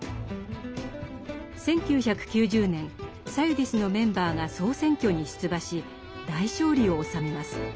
１９９０年サユディスのメンバーが総選挙に出馬し大勝利を収めます。